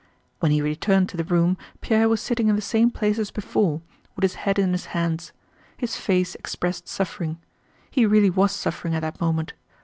When he returned to the room Pierre was sitting in the same place as before, with his head in his hands. His face expressed suffering. He really was suffering at that moment.